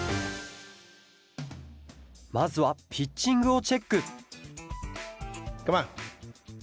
まずはピッチングをチェックカモン！